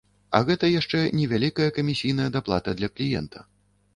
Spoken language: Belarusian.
А гэта яшчэ невялікая камісійная даплата для кліента.